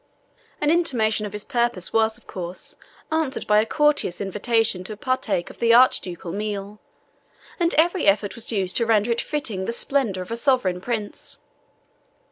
An intimation of his purpose was, of course, answered by a courteous invitation to partake of the Archducal meal, and every effort was used to render it fitting the splendour of a sovereign prince.